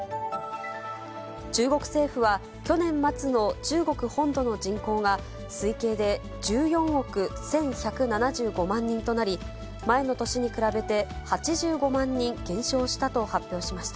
中国政府は去年末の中国本土の人口が、推計で１４億１１７５万人となり、前の年に比べて、８５万人減少したと発表しました。